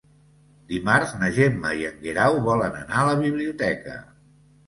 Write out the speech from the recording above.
Dimarts na Gemma i en Guerau volen anar a la biblioteca.